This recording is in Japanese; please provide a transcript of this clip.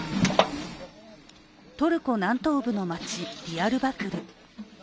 トルコ南東部の町ディアルバクル。